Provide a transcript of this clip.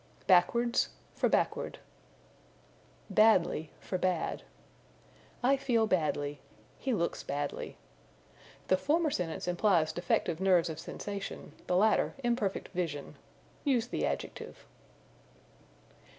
Backwards for Backward. Badly for Bad. "I feel badly." "He looks badly." The former sentence implies defective nerves of sensation, the latter, imperfect vision. Use the adjective.